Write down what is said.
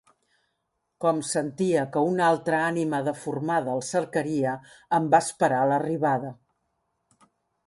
Com sentia que una altra ànima deformada el cercaria, en va esperar l'arribada.